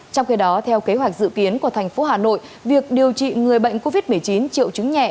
trong khi đó theo kế hoạch dự kiến của tp hcm việc điều trị người bệnh covid một mươi chín triệu chứng nhẹ